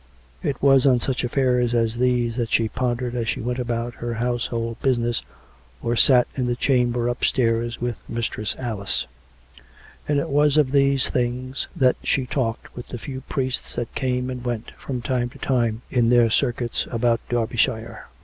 It was on such affairs as these that she pondered as she went about her household business, or sat in the chamber upstairs with Mistress Alice ; and it was of these things that she talked with the few priests that came and went from time to time in their cir cuits about Derbyshire.